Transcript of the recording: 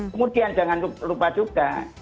kemudian jangan lupa juga